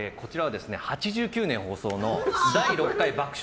８９年放送の「第６回爆笑！